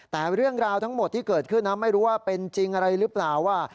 แต่เรื่องราวทั้งหมดที่เกิดขึ้นนะไม่รู้ว่าเป็นจริงอะไรหรือเปล่าว่า